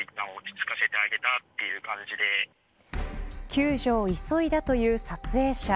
救助を急いだという撮影者。